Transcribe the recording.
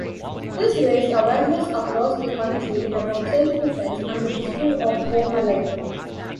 This raised awareness across the country about self-defense and the history of Home Alive.